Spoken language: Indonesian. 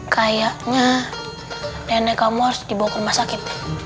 kayaknya nenek kamu harus dibawa ke rumah sakit